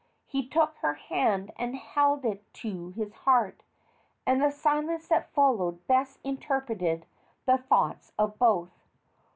He took her hand and held it to his heart, and the silence that followed best interpreted the thoughts of both.